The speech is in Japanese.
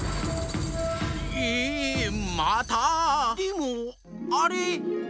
ええまた⁉でもあれ。